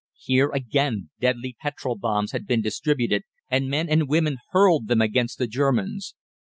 Here again deadly petrol bombs had been distributed, and men and women hurled them against the Germans.